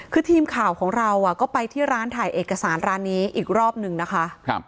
คือทีมข่าวของเราก็ไปที่ร้านถ่ายเอกสารร้านนี้อีกรอบนึงนะคะ